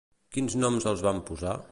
Quins noms els van posar?